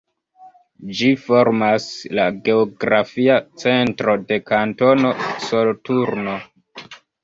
Ĝi formas la geografia centro de Kantono Soloturno.